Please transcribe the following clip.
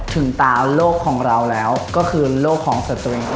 ถึงตาโลกของเราแล้วก็คือโลกของสัตวิ่ง